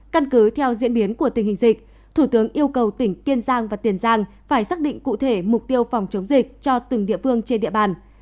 căn cứ theo diễn biến của tình hình dịch thủ tướng yêu cầu tỉnh kiên giang và tiền giang phải xác định cụ thể mục tiêu phòng chống dịch cho từng địa phương trên địa bàn